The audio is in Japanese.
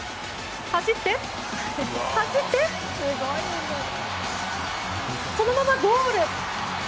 走って、走ってそのままゴール！